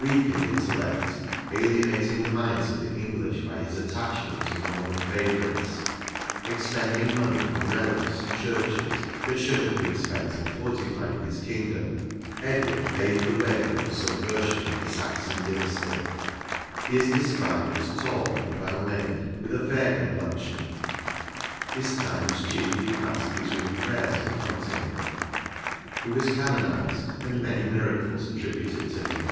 Weak in intellect, alienating the minds of the English by his attachment to Norman fayoniites, expending money on relics and churches that should have been spent in fortifying his kingdom^ Edward pAved the way for the subversion of the Saxon dynasty: he is described as tall and well made, with a fair complexion; his time was chiefly passed between prayers and hunting: he was canonized, and many miracles attributed to him.